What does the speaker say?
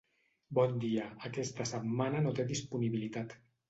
Bon dia, aquesta setmana no té disponibilitat.